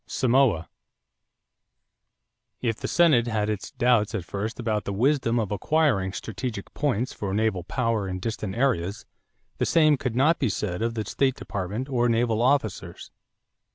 =Samoa.= If the Senate had its doubts at first about the wisdom of acquiring strategic points for naval power in distant seas, the same could not be said of the State Department or naval officers.